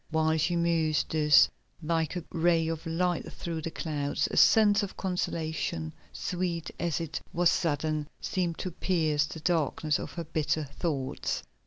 While she mused thus, like a ray of light through the clouds, a sense of consolation, sweet as it was sudden, seemed to pierce the darkness of her bitter thoughts.